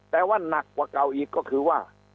แต่ว่านักกว่าเก่าอีกก็คือว่า